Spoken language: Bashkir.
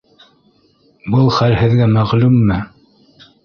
Был хәл һеҙгә мәғлүмме?